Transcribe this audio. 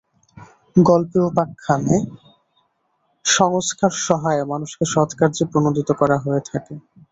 গল্পে উপাখ্যানে, সংস্কার-সহায়ে মানুষকে সৎকার্যে প্রণোদিত করা হয়ে থাকে।